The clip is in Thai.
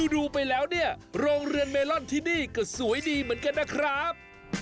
ดูไปแล้วเนี่ยโรงเรือนเมลอนที่นี่ก็สวยดีเหมือนกันนะครับ